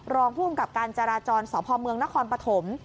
รองค์ภูมิกับการจราจรสอบภอมเมืองนครปฐม